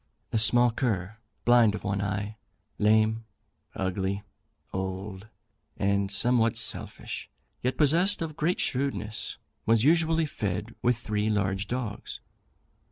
A small cur, blind of one eye, lame, ugly, old, and somewhat selfish, yet possessed of great shrewdness, was usually fed with three large dogs.